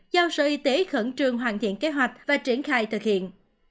giao sở y tế khẩn trương hoàn thiện kế hoạch và triển khai thực hiện